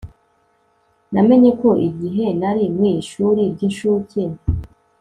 Namenye ko igihe nari mu ishuri ryincuke